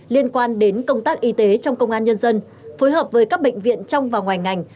liên quan đến công tác y tế trong công an nhân dân phối hợp với các bệnh viện trong và ngoài ngành